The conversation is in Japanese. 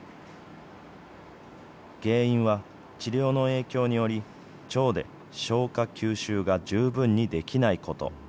原因は、治療の影響により、腸で消化・吸収が十分にできないこと。